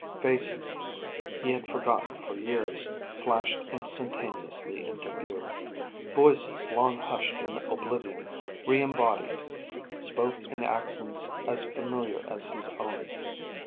Faces, he had forgotten for years, flashed instantaneously into view. Voices long hushed in oblivion, re embodied, spoke in accents as familiar as his own.